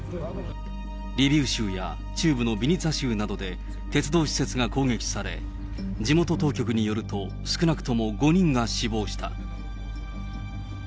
リビウ州や中部のビニツァ州などで鉄道施設が攻撃され、地元当局によると、少なくとも５人が死亡した。